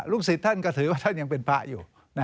ศิษย์ท่านก็ถือว่าท่านยังเป็นพระอยู่